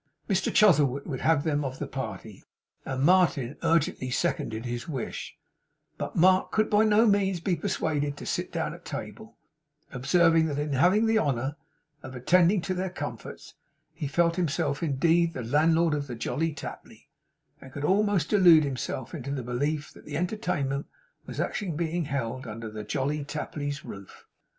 Mr Chuzzlewit would have had them of the party, and Martin urgently seconded his wish, but Mark could by no means be persuaded to sit down at table; observing, that in having the honour of attending to their comforts, he felt himself, indeed, the landlord of the Jolly Tapley, and could almost delude himself into the belief that the entertainment was actually being held under the Jolly Tapley's roof.